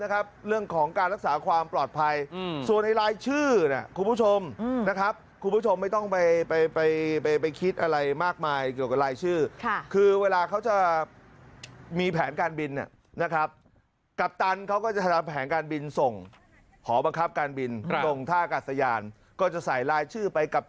เขาเคลียร์เครื่องบินออกหมดเลยอ๋อเคลียร์เครื่องบินออกหมดเลย